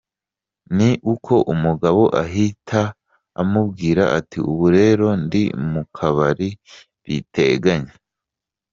Ni uko umugabo ahita amubwira ati "Ubu rero ndi mu kabari biteganye.